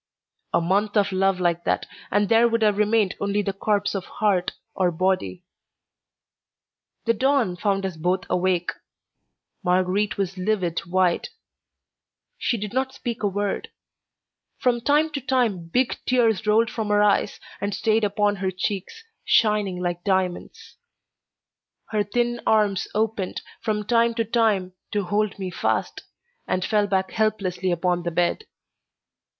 A month of love like that, and there would have remained only the corpse of heart or body. The dawn found us both awake. Marguerite was livid white. She did not speak a word. From time to time, big tears rolled from her eyes, and stayed upon her cheeks, shining like diamonds. Her thin arms opened, from time to time, to hold me fast, and fell back helplessly upon the bed.